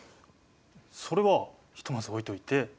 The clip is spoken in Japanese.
それはひとまず置いといて。